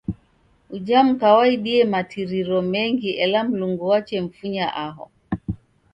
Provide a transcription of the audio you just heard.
Uja muka waidie matiriro mengi ela Mlungu wachemfunya aho.